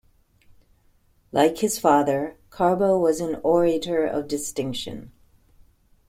Like his father, Carbo was an orator of distinction.